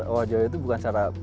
owa' jawa itu bukan secara